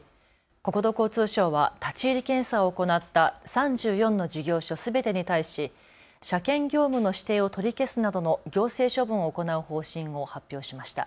国土交通省は立ち入り検査を行った３４の事業所すべてに対し車検業務の指定を取り消すなどの行政処分を行う方針を発表しました。